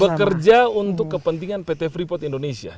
bekerja untuk kepentingan pt freeport indonesia